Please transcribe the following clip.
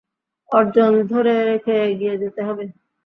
অর্জন ধরে রেখে এগিয়ে যেতে হবে।